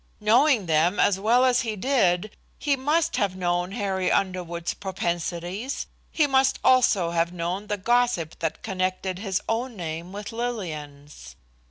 Knowing them as well as he did, he must have known Harry Underwood's propensities. He must also have known the gossip that connected his own name with Lillian's.